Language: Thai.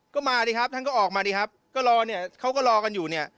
ก็มาดิครับท่านก็ออกมาดิครับก็รอเนี่ยเขาก็รอกันอยู่เนี่ย